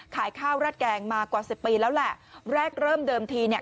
ขายข้าวราดแกงมากว่าสิบปีแล้วแหละแรกเริ่มเดิมทีเนี่ย